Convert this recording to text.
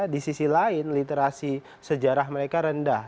di sisi lain literasi sejarah mereka rendah